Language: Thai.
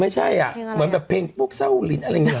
ไม่ใช่อ่ะเหมือนแบบเพลงพวกเศร้าลินอะไรอย่างนี้